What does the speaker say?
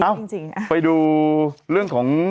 เอ้าไปดูเรื่องของ